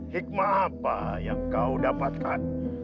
hikmah apa yang kau dapatkan